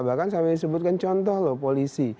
bahkan saya sebutkan contoh loh polisi